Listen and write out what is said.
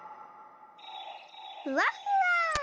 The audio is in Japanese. ふわふわ。